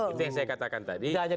itu yang saya katakan tadi